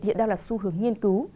hiện đang là xu hướng nghiên cứu